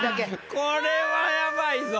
これはやばいぞ。